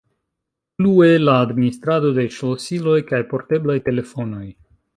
Plue la administrado de ŝlosiloj kaj porteblaj telefonoj.